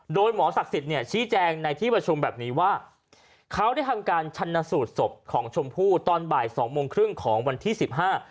โดยหมอศักดิ์สิทธิ์เนี่ยชี้แจงในที่ประชุมแบบนี้ว่าเขาได้ทำการชันสูตรศพของชมพู่ตอนบ่ายสองโมงครึ่งของวันที่สิบห้า